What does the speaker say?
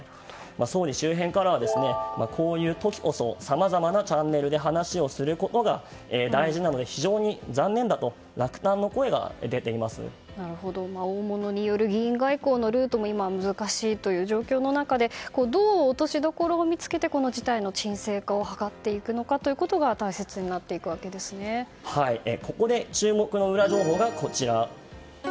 総理周辺からはこういう時こそさまざまなチャンネルで話をすることが大事なので、非常に残念だと大物による議員外交のルートも今難しいという状況の中でどう落としどころを見つけてこの事態の鎮静化を図っていくかがここで注目のウラ情報がこちら。